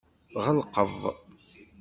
Tɣelqeḍ.